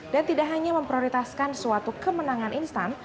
dan tidak hanya memprioritaskan suatu kemenangan instan